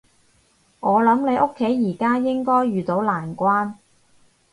我諗你屋企而家應該遇到難關